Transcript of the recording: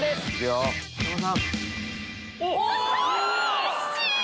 惜しい！